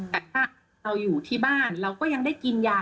แต่ถ้าเราอยู่ที่บ้านเราก็ยังได้กินยา